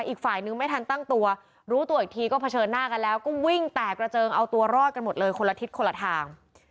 อีกฝ่ายนึงไม่ทันตั้งตัวรู้ตัวอีกทีก็เผชิญหน้ากันแล้วก็วิ่งแตกกระเจิงเอาตัวรอดกันหมดเลยคนละทิศคนละทาง